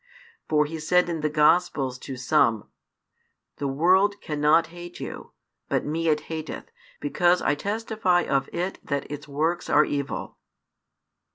For He said in the Gospels to some: The world cannot hate you; but Me it hateth, because I testify of it that its works are evil.